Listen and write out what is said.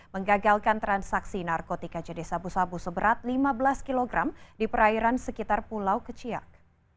menggagalkan transaksi narkotika jenis sabu sabu seberat lima belas kg di perairan sekitar pulau keciak